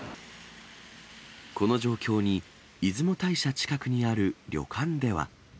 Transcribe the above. この状況に出雲大社近くにある旅館では。